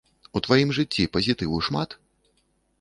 У тваім жыцці пазітыву шмат?